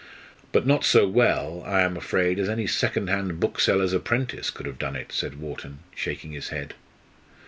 "But not so well, I am afraid, as any second hand bookseller's apprentice could have done it," said Wharton, shaking his head.